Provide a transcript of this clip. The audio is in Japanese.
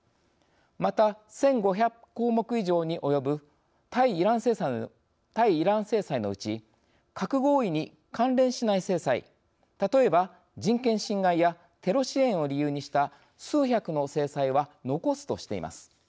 また１，５００項目以上に及ぶ対イラン制裁のうち核合意に関連しない制裁例えば人権侵害やテロ支援を理由にした数百の制裁は残すとしています。